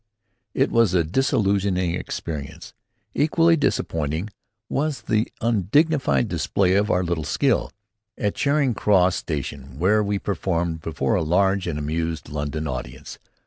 It was a disillusioning experience. Equally disappointing was the undignified display of our little skill, at Charing Cross Station, where we performed before a large and amused London audience.